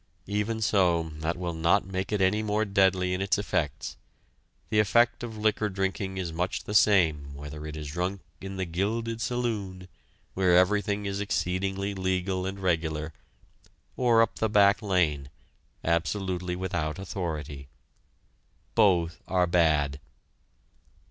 Even so, that will not make it any more deadly in its effects; the effect of liquor drinking is much the same whether it is drunk in "the gilded saloon," where everything is exceedingly legal and regular, or up the back lane, absolutely without authority. Both are bad!